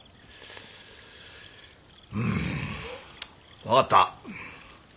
うん分かった。